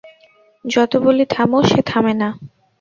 যত বলি থামো সে থামে না।